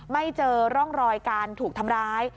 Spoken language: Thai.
ไม่เจอร่องรอยการถูกทำร้าย